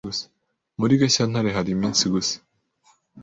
Muri Gashyantare hari iminsi gusa.